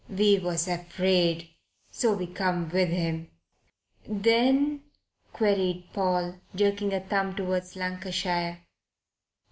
We was afraid, so we come with him." "Then?" queried Paul, jerking a thumb toward Lancashire.